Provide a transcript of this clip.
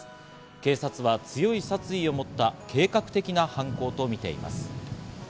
警察は強い殺意を持った計画的な犯行とみています。